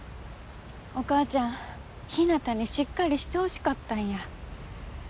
お母ちゃんひなたにしっかりしてほしかったんや。